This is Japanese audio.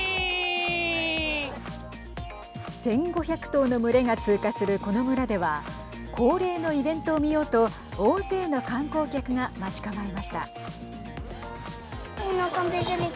１５００頭の群れが通過するこの村では恒例のイベントを見ようと大勢の観光客が待ち構えました。